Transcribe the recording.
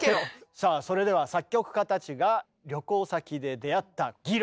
さあそれでは作曲家たちが旅行先で出会ったギロ。